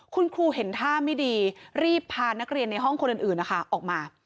คุณครูเห็นท่าไม่ดีรีบพานักเรียนในห้องคนอื่นนะคะออกมา